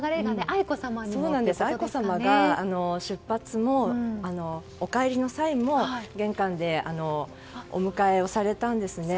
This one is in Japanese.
愛子さまが出発後お帰りの際も玄関でお迎えをされたんですね。